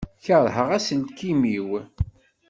Kerheɣ aselkim-iw.